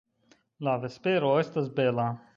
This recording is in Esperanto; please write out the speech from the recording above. La vespero estas bela!